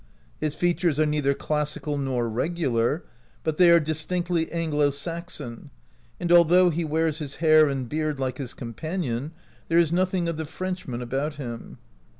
His fea tures are neither classical nor regular, but they are distinctly Anglo Saxon, and al though he wears his hair and beard like his companion, there is nothing of the French man about him.